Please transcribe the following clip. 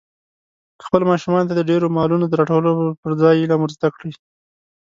خپلو ماشومانو ته د ډېرو مالونو د راټولولو پر ځای علم ور زده کړئ.